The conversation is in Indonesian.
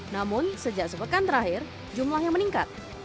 namun sejak sepekan terakhir jumlahnya meningkat